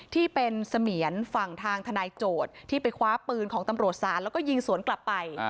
ที่เป็นเสมียนฝั่งทางทนายโจทย์ที่ไปคว้าปืนของตำรวจศาลแล้วก็ยิงสวนกลับไป